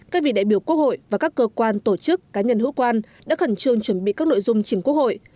các vị đại biểu quốc hội và các cơ quan tổ chức cá nhân hữu quan đã khẩn trương chuẩn bị các nội dung chỉnh quốc hội